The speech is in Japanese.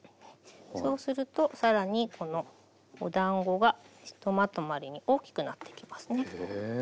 そうすると更にこのおだんごがひとまとまりに大きくなっていきますね。